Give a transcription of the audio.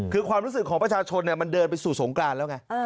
คือความรู้สึกของประชาชนมันเดินไปสู่สงกรานแล้วไง